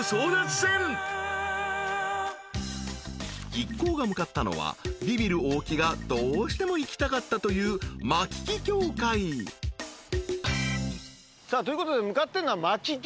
［一行が向かったのはビビる大木がどうしても行きたかったというマキキ教会］ということで向かってるのは。